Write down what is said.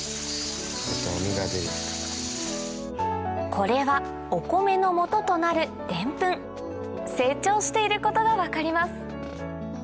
これはお米のもととなるデンプン成長していることが分かります